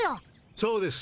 そうですね。